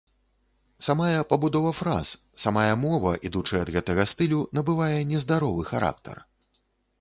Самая пабудова фраз, самая мова, ідучы ад гэтага стылю, набывае нездаровы характар.